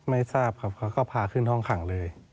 ไม่ทราบครับเขาก็พาขึ้นห้องขังเลย